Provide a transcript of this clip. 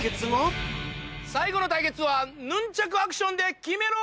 最後の対決はヌンチャクアクションでキメろ！